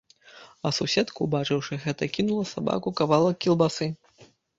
А суседка, убачыўшы гэта, кінула сабаку кавалак кілбасы.